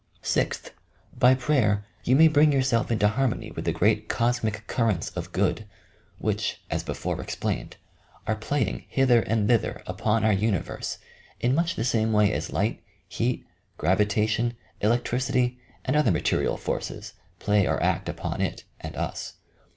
Sixth, by prayer you may bring yourself into har mony with the great Cosmic Currents of Good, which, aa before explained, are playing hither and thither upon 220 YOUR PSYCHIC POWERS our Universe in much the s&me way as light, heat, cavi tation, electricity and other material forces plsy or act apon it and us.